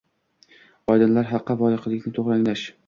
Oydinlar xalqqa voqelikni to‘g‘ri anglash